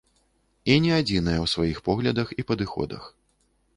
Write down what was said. І не адзіная ў сваіх поглядах і падыходах.